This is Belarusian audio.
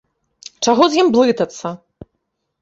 Чаго з ім блытацца.